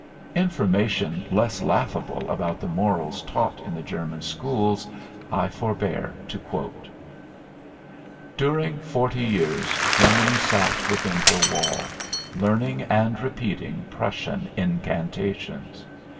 Information less laughable about the morals taught in the German schools I forbear to quote. During forty years Germany sat within her wall, learning and repeating Prussian incantations.